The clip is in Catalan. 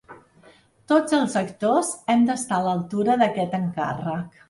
Tots els actors hem d’estar a l’altura d’aquest encàrrec.